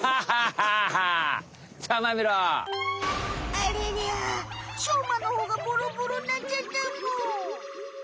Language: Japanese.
ありゃりゃしょうまのほうがボロボロになっちゃったむ。